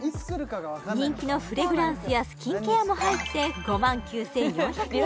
人気のフレグランスやスキンケアも入って５９４００円